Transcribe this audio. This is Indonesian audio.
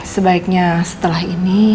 sebaiknya setelah ini